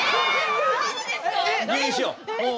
入院しよう。